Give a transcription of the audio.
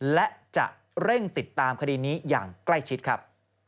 และจะเร่งติดตามคดีนี้อย่างใกล้ชิดครับ